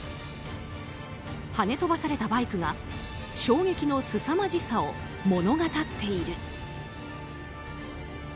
跳ね飛ばされたバイクが衝撃のすさまじさを物語っている。